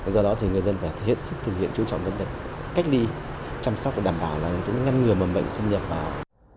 do đó thì người dân phải hết sức thực hiện chú trọng vấn đề cách ly chăm sóc và đảm bảo là chúng ngăn ngừa mầm bệnh xâm nhập vào